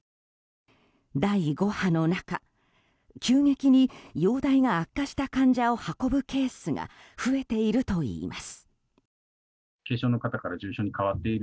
第５波の中急激に容体が悪化した患者を運ぶケースが増えているといいます。